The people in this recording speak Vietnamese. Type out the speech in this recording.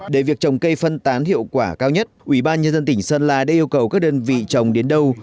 để việc trồng cây phân tán hiệu quả cao nhất ubnd tỉnh sơn la đã yêu cầu các đơn vị trồng đến đâu